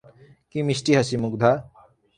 কী মিষ্টি হাসি, মুগ্ধা!